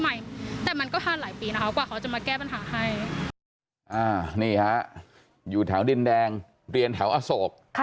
นี่ฮะอยู่แถวดินแดงเรียนแถวอโศก